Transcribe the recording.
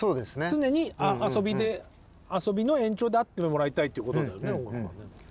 常に遊びの延長であってもらいたいっていうことだよね。